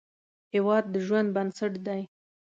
هیواد د ژوند بنسټ دی